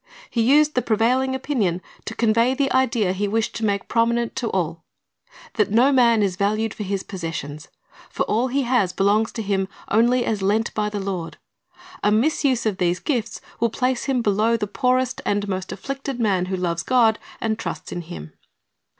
He used the prevailing opinion to convey the idea He wished to make prominent to all, — that no man is valued for his possessions; for all he has belongs to him only as lent by the Lord. A misuse of these gifts will place him below the poorest and most afflicted man who loves God and trusts in Him.